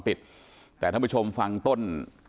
ปิดแต่ท่านผู้ชมฟังต้น